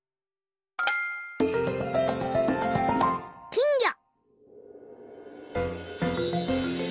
きんぎょ。